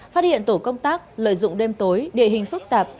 phát hiện tổ công tác lợi dụng đêm tối địa hình phức tạp